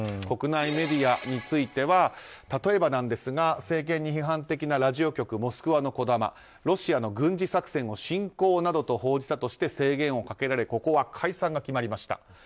国内メディアについては例えばなんですが政権に批判的なラジオ局モスクワのこだまはロシアの軍事作戦を侵攻などと報じたとして制限をかけられここは解散が決まりました。